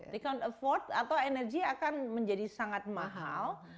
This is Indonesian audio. they cannot afford atau energy akan menjadi sangat mahal